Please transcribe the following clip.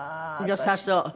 良さそう。